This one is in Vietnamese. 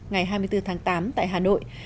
ngày hai mươi bốn tháng tám tại hà nội